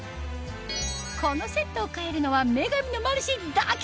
このセットを買えるのは『女神のマルシェ』だけ！